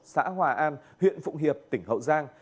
xã hòa an huyện phụng hiệp tỉnh hậu giang